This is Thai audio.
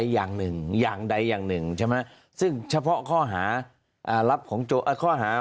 ยังไงขอบคุณมากสำหรับวันนี้นะคะ